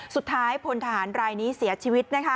สุดท้ายพลทหารรายนี้เสียชีวิต